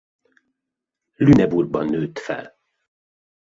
Lüneburgban nőtt fel.